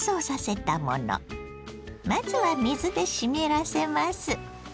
まずは水で湿らせます。